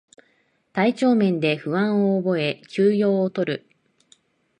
体調面で不調を覚え休養をとる